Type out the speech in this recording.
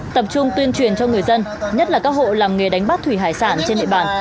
tập trung tuyên truyền cho người dân nhất là các hộ làm nghề đánh bắt thủy hải sản trên địa bàn